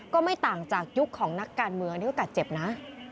ก็ไม่ต่างจากยุคของนักการเมืองที่เขากัดเจ็บนะ